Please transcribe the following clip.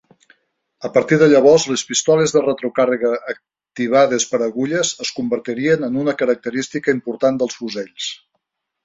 A partir de llavors, les pistoles de retrocàrrega activades per agulles es convertirien en una característica important dels fusells.